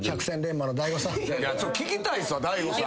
聞きたいっすわ大悟さん。